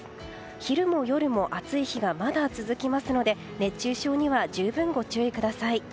昼も夜も暑い日がまだ続きますので熱中症には十分ご注意ください。